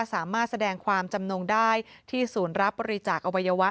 สามารถแสดงความจำนงได้ที่ศูนย์รับบริจาคอวัยวะ